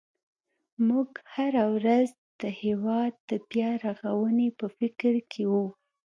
موږ هره ورځ د هېواد د بیا رغونې په فکر کې وو.